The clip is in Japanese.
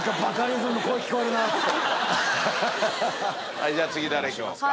はいじゃあ次誰いきますか？